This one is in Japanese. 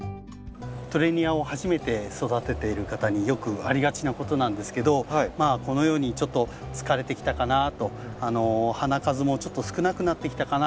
トレニアを初めて育てている方によくありがちなことなんですけどこのようにちょっと疲れてきたかなと花数もちょっと少なくなってきたかな。